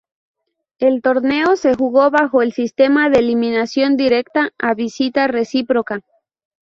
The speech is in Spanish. El torneo se jugó bajo el sistema de eliminación directa a visita recíproca.